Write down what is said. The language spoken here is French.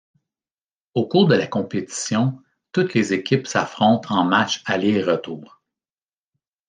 Au cours de la compétition, toutes les équipes s'affrontent en matchs aller et retour.